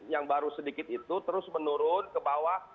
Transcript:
yang baru sedikit itu terus menurun ke bawah